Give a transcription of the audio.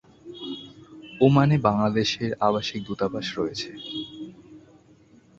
ওমানে বাংলাদেশের আবাসিক দূতাবাস রয়েছে।